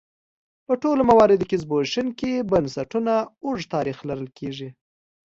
په ټولو مواردو کې د زبېښونکو بنسټونو اوږد تاریخ لیدل کېږي.